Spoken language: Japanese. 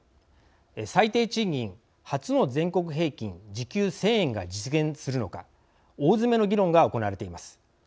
最低賃金、初の全国平均時給１０００円が実現するのか大詰めの議論が行われています。